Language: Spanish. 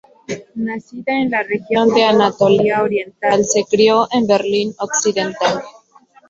Nacida en la región de Anatolia Oriental, se crio en Berlín occidental.